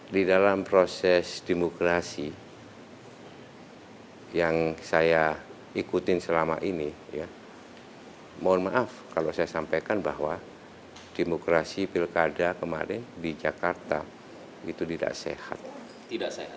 di dalam proses demokrasi yang saya ikutin selama ini ya mohon maaf kalau saya sampaikan bahwa demokrasi pilkada kemarin di jakarta itu tidak sehat